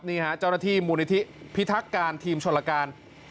นี่ฮะเจ้าหน้าที่มูลนิธิพิทักการทีมชนลการ